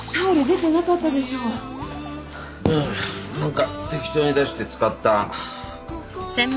何か適当に出して使った。